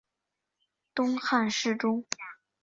东汉侍中。